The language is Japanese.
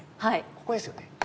ここですよね。